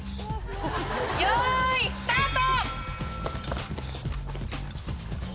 よーい、スタート。